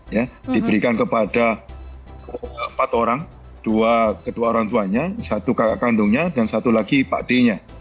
ya diberikan kepada empat orang dua orang tuanya satu kakak kandungnya dan satu lagi pak d nya